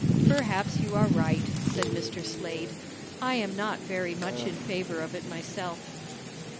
"Perhaps you are right," said Mr. Slade. "I am not very much in favor of it myself."